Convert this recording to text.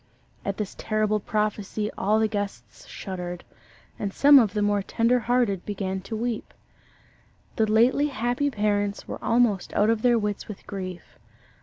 At this terrible prophecy all the guests shuddered; and some of the more tender hearted began to weep. The lately happy parents were almost out of their wits with grief.